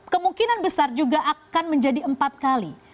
kemungkinan besar juga akan menjadi empat kali